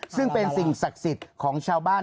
ซึ่งเป็นสิ่งศักดิ์สิทธิ์ของชาวบ้าน